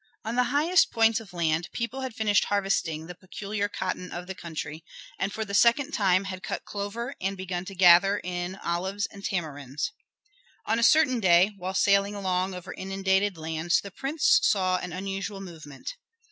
On the highest points of land people had finished harvesting the peculiar cotton of the country, and for the second time had cut clover and begun to gather in olives and tamarinds. On a certain day, while sailing along over inundated lands, the prince saw an unusual movement.